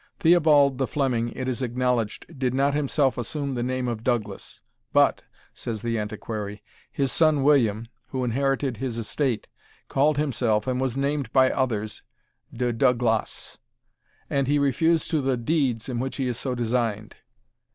Theobald the Fleming, it is acknowledged, did not himself assume the name of Douglas; "but," says the antiquary, "his son William, who inherited his estate, called himself, and was named by others, De Duglas;" and he refers to the deeds in which he is so designed.